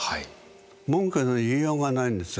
文句の言いようがないんですよ